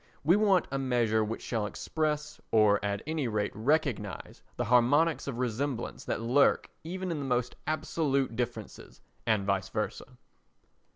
We want a measure which shall express, or at any rate recognise, the harmonics of resemblance that lurk even in the most absolute differences and vice versa.